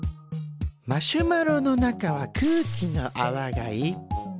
マシュマロの中は空気のあわがいっぱい。